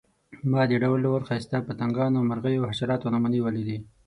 ما د ډول ډول ښایسته پتنګانو، مرغیو او حشراتو نمونې ولیدې.